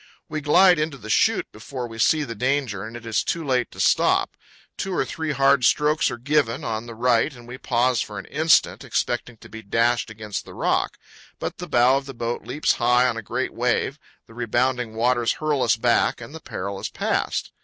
We glide into the chute before we see the danger, and it is too late to stop. Two or three hard strokes are given on the right and we pause for an instant, expecting to be dashed against the rock. But the bow of the boat leaps high on a great wave, the rebounding waters hurl us back, and the peril is past.